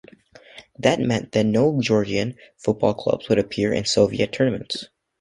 That meant that no Georgian football clubs would appear in Soviet tournaments.